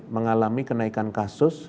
mengalami kenaikan kasus